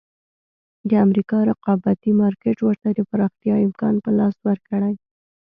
د امریکا رقابتي مارکېټ ورته د پراختیا امکان په لاس ورکړ.